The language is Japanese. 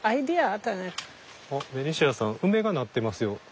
あっベニシアさんウメがなってますよ